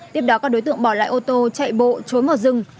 tiếp đó các đối tượng bỏ lại ô tô chạy bộ trốn vào rừng